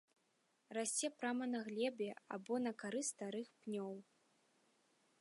Расце прама на глебе або на кары старых пнёў.